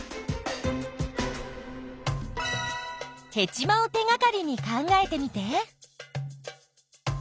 ヘチマを手がかりに考えてみて。